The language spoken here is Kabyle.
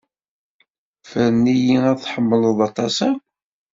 Fren ini ay tḥemmleḍ aṭas akk.